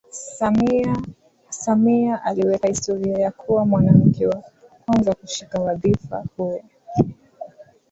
Samia aliweka historia ya kuwa mwanamke wa kwanza kushika wadhifa huo